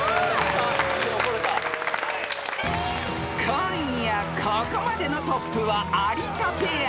［今夜ここまでのトップは有田ペア］